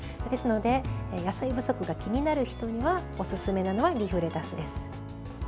ですので野菜不足が気になる人におすすめなのはリーフレタスです。